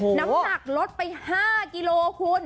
น้ำหนักลดไป๕กิโลคุณ